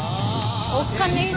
おっかねえ。